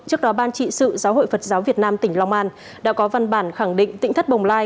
trước đó ban trị sự giáo hội phật giáo việt nam tỉnh long an đã có văn bản khẳng định tỉnh thất bồng lai